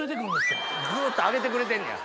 グっと上げてくれてんねや。